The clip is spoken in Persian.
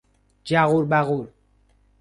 جغور بغور